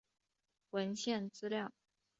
文献资料